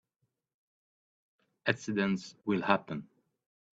Accidents will happen.